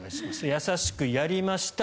優しくやりました。